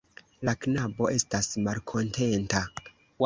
La knabo estas malkontenta.